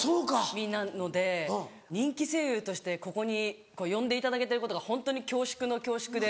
身なので人気声優としてここに呼んでいただけてることがホントに恐縮の恐縮で。